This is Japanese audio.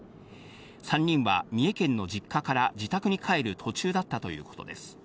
３人は三重県の実家から自宅に帰る途中だったということです。